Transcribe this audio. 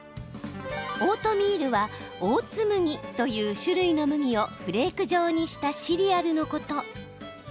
オートミールはオーツ麦という種類の麦をフレーク状にしたシリアルのこと。